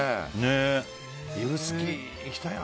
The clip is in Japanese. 指宿、行きたいな。